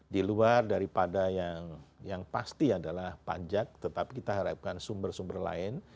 di luar daripada yang pasti adalah pajak tetapi kita harapkan sumber sumber lain